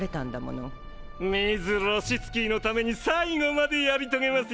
ミズ・ロシツキーのために最後までやり遂げますよ。